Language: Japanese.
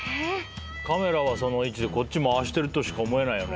カメラはその位置でこっち回してるとしか思えないよね。